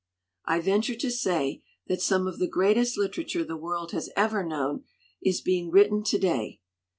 I venture to say that some of the greatest litera ture the world has ever known is being written to day.